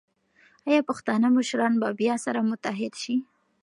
ایا پښتانه مشران به بیا سره متحد شي؟